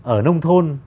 ở nông thôn